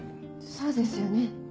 そうですよね。